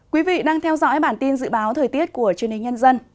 quý vị đang theo dõi bản tin dự báo thời tiết của chương trình nhân dân